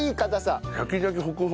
シャキシャキホクホク。